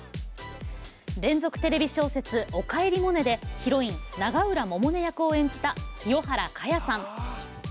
連続テレビ小説「おかえりモネ」でヒロイン、永浦百音役を演じた清原果耶さん。